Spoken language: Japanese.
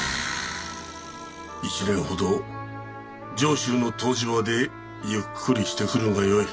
１年ほど上州の湯治場でゆっくりしてくるがよい。